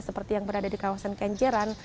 seperti yang berada di kawasan kenjeran